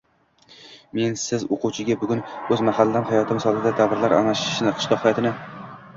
Men siz o‘quvchiga bugun o‘z mahallam hayoti misolida davrlar almashishi qishloq hayotini